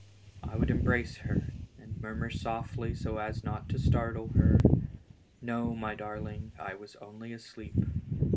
I would embrace her, and murmur softly so as not to startle her: "No, my darling, I was only asleep.